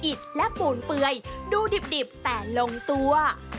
และปูนเปลือยดูดิบแต่ลงตัว